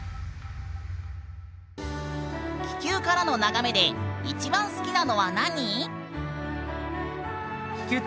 気球からの眺めで一番好きなのは何？